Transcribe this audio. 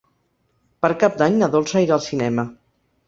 Per Cap d'Any na Dolça irà al cinema.